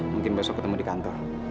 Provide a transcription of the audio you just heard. mungkin besok ketemu di kantor